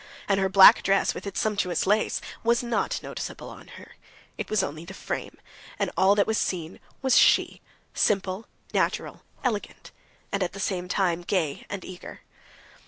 And her black dress, with its sumptuous lace, was not noticeable on her; it was only the frame, and all that was seen was she—simple, natural, elegant, and at the same time gay and eager.